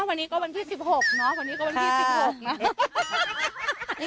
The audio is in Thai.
วันนี้ก็วันที่สิบหกนะ